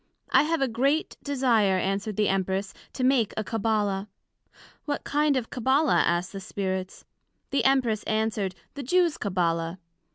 I have a great desire, answered the Empress, to make a Cabbala. What kind of Cabbala asked the Spirits? The Empress answered, The Jews Cabbala.